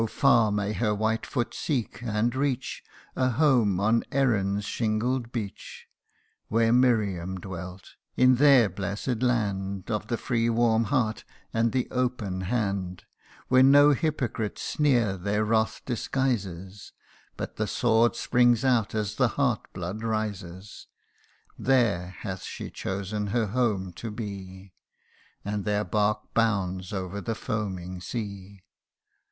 far may her white foot seek, and reach, A home on Erin's shingled beach ! Where Miriam dwelt in their bless'd land Of the free warm heart, and the open hand ; Where no hypocrite sneer their wrath disguises, But the sword springs out as the heart's blood rises ; CANTO IV. 139 There hath she chosen her home to be : And their bark bounds over the foaming sea.